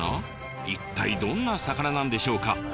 一体どんな魚なんでしょうか？